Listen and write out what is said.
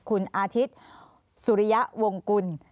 คุณอาทิตย์สุริยะวงกุล